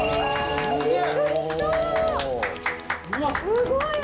すごい音。